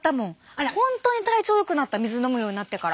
本当に体調よくなった水飲むようになってから。